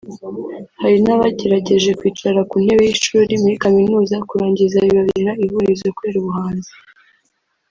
Hari n’abagerageje kwicara ku ntebe y’ishuri muri Kaminuza kurangiza bibabera ihurizo kubera ubuhanzi